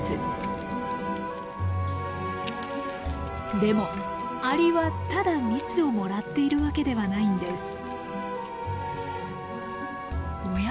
でもアリはただ蜜をもらっているわけではないんです。おや？